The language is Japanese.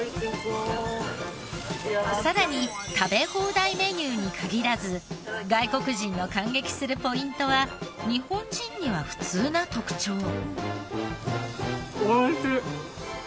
さらに食べ放題メニューに限らず外国人の感激するポイントは日本人には普通な特徴。